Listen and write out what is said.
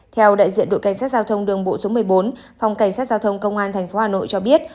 theo đại diện đội cảnh sát giao thông đường bộ số một mươi bốn phòng cảnh sát giao thông công an tp hà nội cho biết